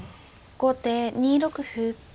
後手２六歩。